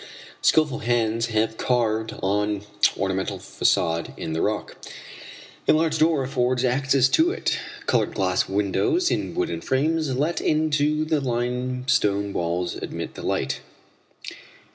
Skillful hands have carved an ornamental façade in the rock. A large door affords access to it. Colored glass windows in wooden frames let into the limestone walls admit the light.